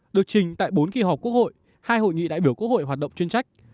được trình tại bốn kỳ họp quốc hội hai hội nghị đại biểu quốc hội hoạt động chuyên trách